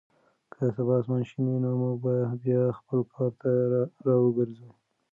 که سبا اسمان شین وي نو موږ به بیا خپل کار ته راوګرځو.